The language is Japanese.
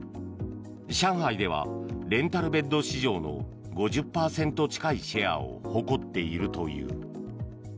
上海ではレンタルベッド市場の５０％近いシェアを誇っているという。